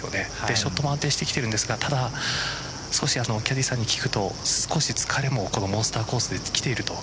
ショットも安定してきているんですがただ、少しキャディーさんに聞くと少し疲れもモンスターコースできていると。